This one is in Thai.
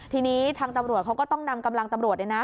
ทีนี้ทางตำรวจเขาก็ต้องนำกำลังตำรวจเนี่ยนะ